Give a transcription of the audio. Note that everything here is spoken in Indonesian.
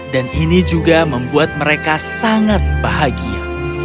dan ini juga membuat mereka sangat bahagia